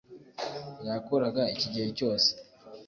Yakoraga iki gihe cyose,